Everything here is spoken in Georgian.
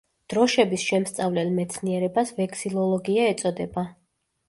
დროშების შემსწავლელ მეცნიერებას ვექსილოლოგია ეწოდება.